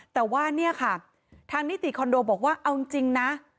แต่ว่าเนี่ยค่ะทางนิติคอนโดบอกว่าเอาจริงนะ